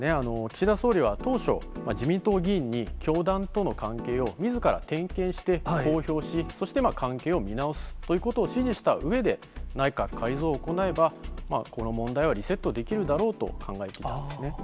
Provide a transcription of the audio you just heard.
岸田総理は当初、自民党議員に、教団との関係をみずから点検して公表し、そして関係を見直すということを指示したうえで、内閣改造を行えば、この問題はリセットできるだろうと考えていたんですね。